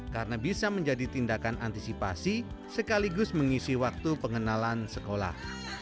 karena bisa menjadi tindakan antisipasi sekaligus mengisi waktu pengenalan sekolah